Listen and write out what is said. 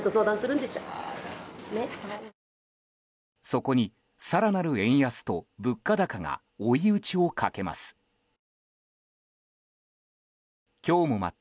そこに、更なる円安と物価高が追い打ちをかけます。